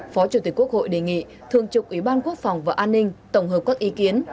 phó chủ tịch quốc hội đề nghị thường trục ủy ban quốc phòng và an ninh tổng hợp các ý kiến